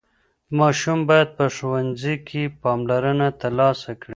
ماشوم باید په ښوونځي کې پاملرنه ترلاسه کړي.